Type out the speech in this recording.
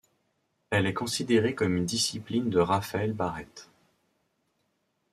Elle est considérée comme une disciple de Rafael Barrett.